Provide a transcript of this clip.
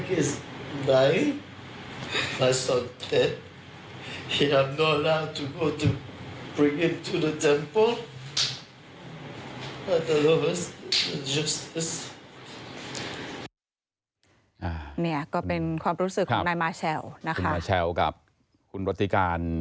ฉันไปรับสิ่งที่รับสิ่งแล้วเธอไม่ให้ฉันคุยกับพลักษณ์